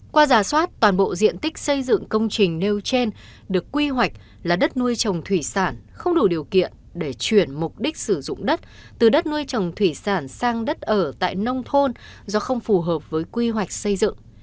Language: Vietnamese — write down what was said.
qua giả soát toàn bộ diện tích xây dựng công trình nêu trên được quy hoạch là đất nuôi trồng thủy sản không đủ điều kiện để chuyển mục đích sử dụng đất từ đất nuôi trồng thủy sản sang đất ở tại nông thôn do không phù hợp với quy hoạch xây dựng